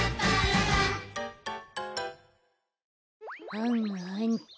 はんはんっと。